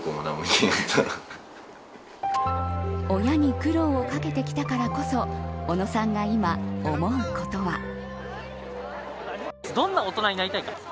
親に苦労をかけてきたからこそ小野さんが今、思うことは。